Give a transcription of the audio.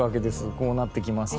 こうなってきますと。